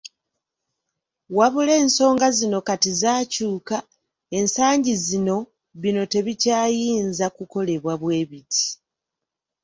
"Wabula ensonga zino kati zaakyuka, ensangi zino bino tebikyayinza kukolebwa bwe biti."